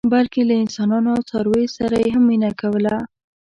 بلکې له انسانانو او څارویو سره یې هم مینه کوله.